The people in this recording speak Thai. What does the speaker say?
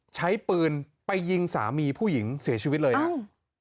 ใช้ปืนไปยิงสามีผู้หญิงเสียชีวิตเลยครับ